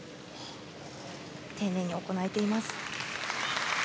丁寧に行えています。